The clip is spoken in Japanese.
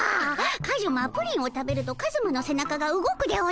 カズマプリンを食べるとカズマの背中が動くでおじゃる。